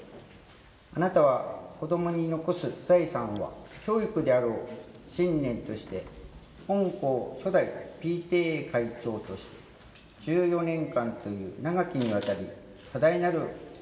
あなたは子供に残す財産は教育であるを信念として本校初代ＰＴＡ会長として十四年間という長きにわたり多大なる御尽力をくださいました」。